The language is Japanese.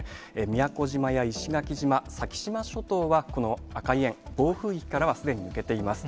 宮古島や石垣島、先島諸島は、この赤い円、暴風域からはすでに抜けています。